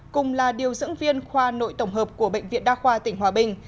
cùng là điều dưỡng viên khoa nội tổng hợp của bệnh viện đa khoa tỉnh hòa bình